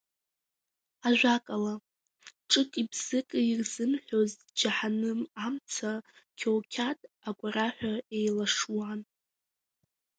Ажәакала, ҿыки-бзыки ирзымҳәоз џьаҳаным амца қьоуқьад агәараҳәа еилашуан.